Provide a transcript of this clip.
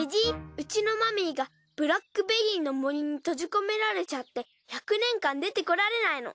うちのマミーがブラックベリーの森に閉じ込められちゃって１００年間出てこられないの。